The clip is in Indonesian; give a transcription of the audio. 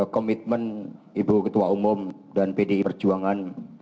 komitmen ibu ketua umum dan pdi perjuangan